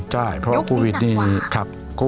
ใช่เพราะว่าโควิดนี่ครับยุคนี้หนักกว่า